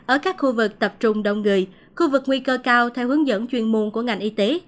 ở các khu vực tập trung đông người khu vực nguy cơ cao theo hướng dẫn chuyên môn của ngành y tế